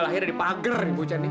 lahirnya di pagar ibu ocha nih